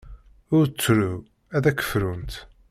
Ur ttru. Ad akk frunt.